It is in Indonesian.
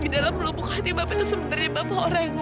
dalam lubuk hati bapak sebetulnya bapak orang yang baik